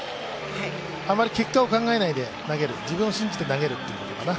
あまり結果を考えないで投げる、自分を信じて投げるってことかな。